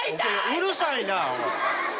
うるさいなおい。